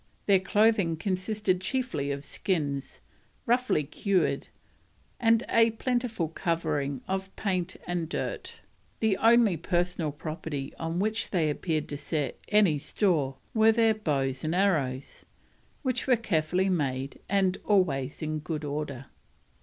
Their clothing consisted chiefly of skins, roughly cured, and a plentiful covering of paint and dirt. The only personal property on which they appeared to set any store were their bows and arrows, which were carefully made and always in good order.